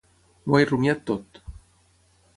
M'ho he rumiat tot.